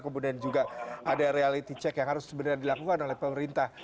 kemudian juga ada reality check yang harus sebenarnya dilakukan oleh pemerintah